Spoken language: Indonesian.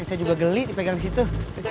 saya juga geli dipegang disitu